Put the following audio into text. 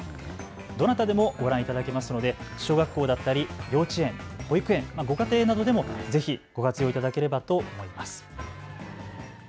どなたでもご覧いただけますので小学校だったり幼稚園、保育園ご家庭などでもぜひご活用いただければと思います。